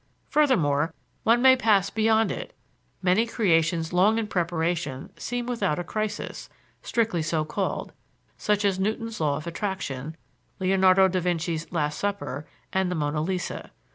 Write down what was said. Furthermore, one may pass beyond it; many creations long in preparation seem without a crisis, strictly so called; such as Newton's law of attraction, Leonardo da Vinci's "Last Supper," and the "Mona Lisa."